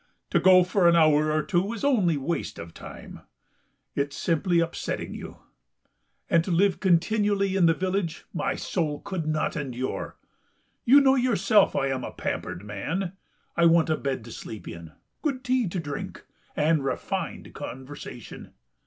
To go for an hour or two is only waste of time, it's simply upsetting you, and to live continually in the village my soul could not endure.... You know yourself I am a pampered man.... I want a bed to sleep in, good tea to drink, and refined conversation....